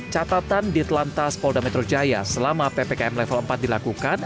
catatan di telantas polda metro jaya selama ppkm level empat dilakukan